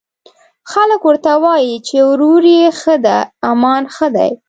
خلک ورته وايي، چې وروري ښه ده، امان ښه دی